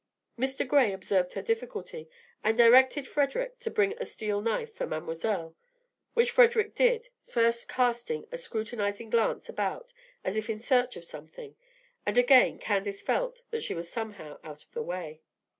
Mr. Gray observed her difficulty, and directed Frederic to bring a steel knife for Mademoiselle, which Frederic did, first casting a scrutinizing glance about as if in search of something; and again Candace felt that she was somehow out of the way.